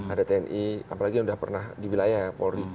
ada tni apalagi yang sudah pernah di wilayah polri